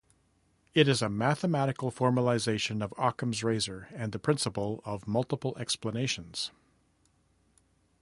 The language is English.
It is a mathematical formalization of Occam's razor and the Principle of Multiple Explanations.